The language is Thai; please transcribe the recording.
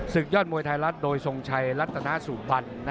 ยอดมวยไทยรัฐโดยทรงชัยรัฐนาสุพรรณ